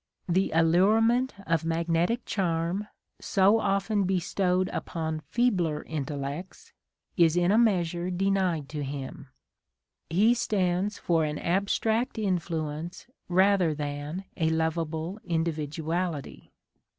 The allure ment of magnetic charm, so often bestowed upon feebler intellects, is in a measure denied to him : he stands for an abstract influence rather than a lovable individuality.